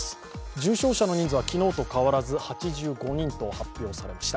重症者の人数は昨日と変わらず８５人と発表されました。